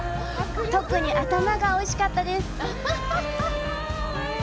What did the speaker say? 特に頭がおいしかったです。